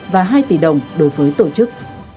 và hai tỷ đồng đối với tổ chức